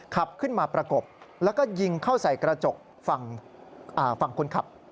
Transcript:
ขับขึ้นมาประกบแล้วก็ยิงเข้าใส่กระจกฝั่งคนขับ